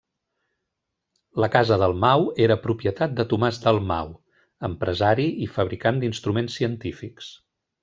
La casa Dalmau era propietat de Tomàs Dalmau, empresari i fabricant d'instruments científics.